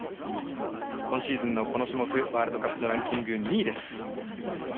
今シーズンのこの種目ワールドカップのランキング２位。